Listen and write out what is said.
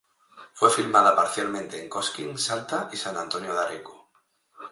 Fue filmada parcialmente en Cosquín, Salta y San Antonio de Areco.